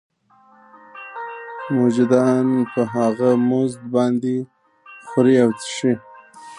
مجدداً په هغه مزد باندې خوري او څښي